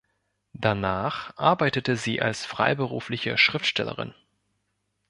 Danach arbeitete sie als freiberufliche Schriftstellerin.